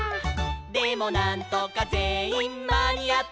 「でもなんとかぜんいんまにあって」